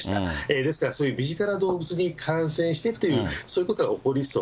ですから、そういう身近な動物に感染してという、そういうことが起こりそう。